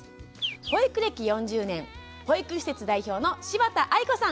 保育暦４０年保育施設代表の柴田愛子さん。